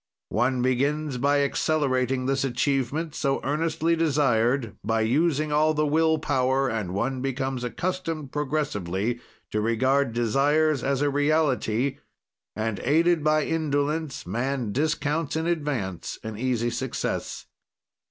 "One begins by accelerating this achievement, so earnestly desired, by using all the will power, and one becomes accustomed progressively to regard desires as a reality, and, aided by indolence, man discounts in advance an easy success.